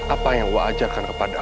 apa yang wah ajarkan kepada